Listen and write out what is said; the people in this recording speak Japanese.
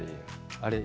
あれ。